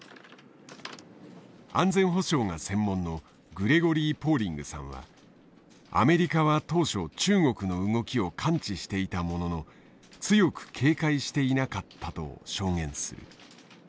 安全保障が専門のグレゴリー・ポーリングさんはアメリカは当初中国の動きを関知していたものの強く警戒していなかったと証言する。